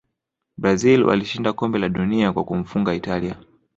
brazil walishinda kombe la dunia kwa kumfunga italia